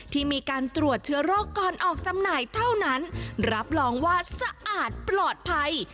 ที่มีการตรวจเชื้อโรคก่อนออกจำหน่ายเท่านั้นรับรองว่าสะอาดปลอดภัย